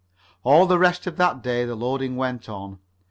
All the rest of that day the loading went on.